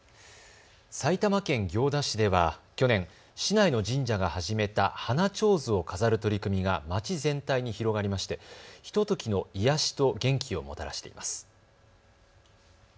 埼玉県行田市では去年、市内の神社が始めた花ちょうずを飾る取り組みが町全体に広がりましてひとときの癒やしと元気をもたらしています。